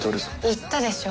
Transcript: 言ったでしょ。